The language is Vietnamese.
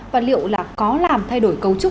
và liệu là có làm thay đổi cấu trúc